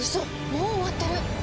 もう終わってる！